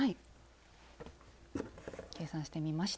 計算してみました。